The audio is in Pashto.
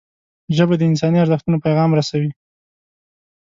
ژبه د انساني ارزښتونو پیغام رسوي